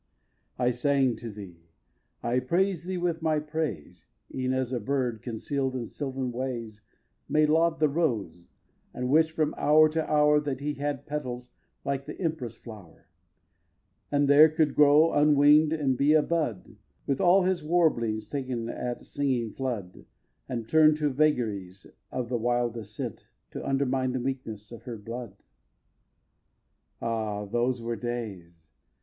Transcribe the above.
xiii. I sang to thee. I praised thee with my praise, E'en as a bird, conceal'd in sylvan ways, May laud the rose, and wish, from hour to hour, That he had petals like the empress flower, And there could grow, unwing'd, and be a bud, With all his warblings ta'en at singing flood And turned to vàgaries of the wildest scent To undermine the meekness in her blood. xiv. Ah, those were days!